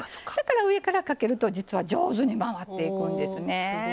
上からかけると実は、上手に回っていくんですね。